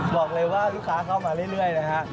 บอกเลยว่าลูกค้าเข้ามาเรื่อยนะฮะ